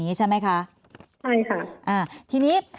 แอนตาซินเยลโรคกระเพาะอาหารท้องอืดจุกเสียดแสบร้อน